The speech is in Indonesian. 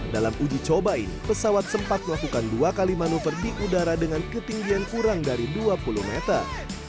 dalam uji coba ini pesawat sempat melakukan dua kali manuver di udara dengan ketinggian kurang dari dua puluh meter